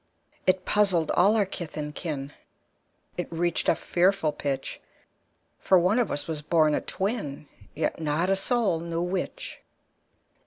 It puzzled all our kith and kin, It reached a fearful pitch; For one of us was born a twin, Yet not a soul knew which.